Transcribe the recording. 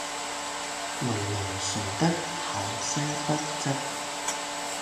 文萊崇德路口西北側